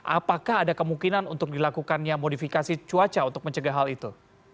apakah ada kemungkinan untuk dilakukannya modifikasi cuaca untuk mencegah hal itu